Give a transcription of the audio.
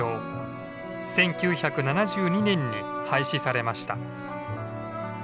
１９７２年に廃止されました。